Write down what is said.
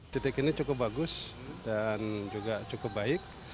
titik ini cukup bagus dan juga cukup baik